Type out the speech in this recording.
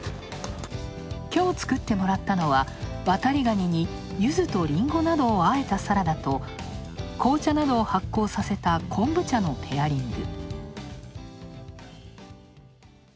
きょう、作ってもらったのは、わたりがにに、ゆずと、りんごなどをあえたサラダと紅茶などを発酵させた昆布茶のペアリング。